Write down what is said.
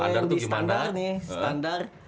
nah kalau yang di standar nih standar